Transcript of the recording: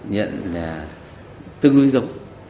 nhận tương đối dụng